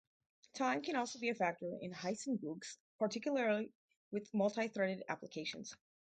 Time can also be a factor in heisenbugs, particularly with multi-threaded applications.